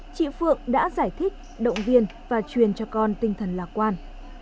chị phượng đã giải thích động viên và truyền cho con tinh thần lạc quan